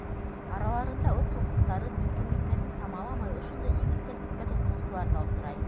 Араларында үҙ хоҡуҡтарын, мөмкинлектәрен самаламай, ошондай еңел кәсепкә тотоноусылар ҙа осрай.